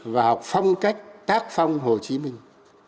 và học phong cách tác phong hồ chí minh